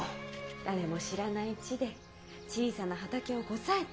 誰も知らない地で小さな畑をこさえて。